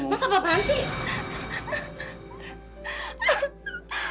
mas apaan sih